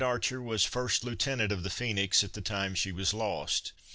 Archer was first lieutenant of the Phoenix at the time she was lost.